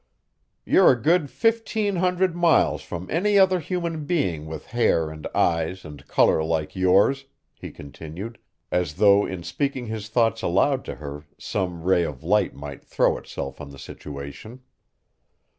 "You're a good fifteen hundred miles from any other human being with hair and eyes and color like yours," he continued, as though in speaking his thoughts aloud to her some ray of light might throw itself on the situation.